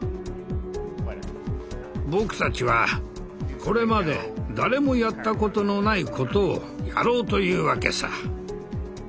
僕たちはこれまで誰もやったことのないことをやろうというわけさ。